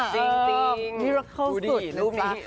จริงดูดีรูปนี้